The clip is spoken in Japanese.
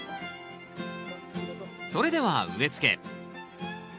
それでは植えつけ。